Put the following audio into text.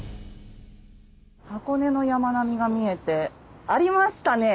箱根の山並みが見えてありましたね